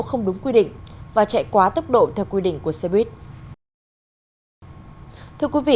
không đúng quy định và chạy quá tốc độ theo quy định của xe buýt